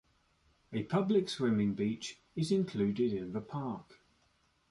A public swimming beach is included in the park.